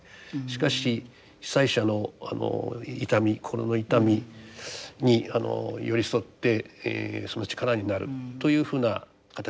しかし被災者の痛み心の痛みに寄り添ってその力になるというふうな形。